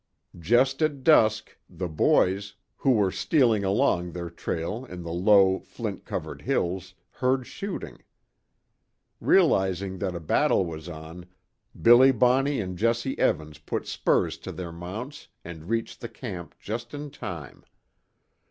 Just at dusk, the boys, who were stealing along their trail in the low, flint covered hills, heard shooting. Realizing that a battle was on, Billy Bonney and Jesse Evans put spurs to their mounts and reached the camp just in time.